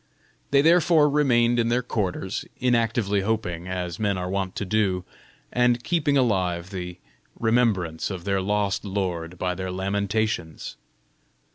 They therefore remained in their quarters, inactively hoping, as men are wont to do, and keeping alive the remembrance of their lost lord by their lamentations.